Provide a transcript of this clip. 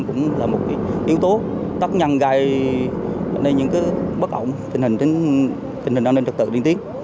cũng là một yếu tố tắt nhăn gây những bất ổn tình hình an ninh trật tự liên tiến